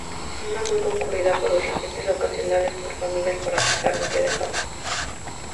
Zona muy concurrida por visitantes ocasionales, por familias para pasar un día de campo.